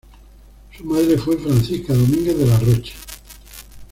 Su madre fue Francisca Dominguez-de-la-Roche.